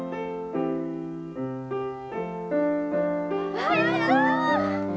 わやった！